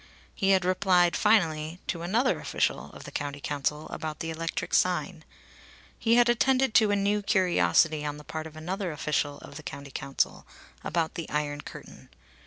He had replied finally to another official of the County Council about the electric sign. He had attended to a new curiosity on the part of another official of the County Council about the iron curtain.